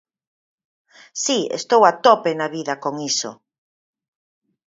Si, estou a tope na vida con iso.